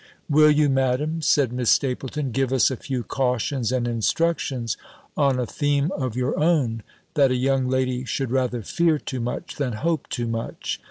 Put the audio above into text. "Will you, Madam," said Miss Stapylton, "give us a few cautions and instructions on a theme of your own, that a young lady should rather fear too much than hope too much?